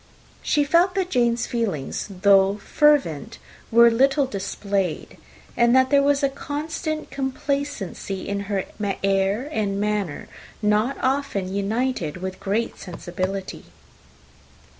She felt that Jane's feelings, though fervent, were little displayed, and that there was a constant complacency in her air and manner, not often united with great sensibility.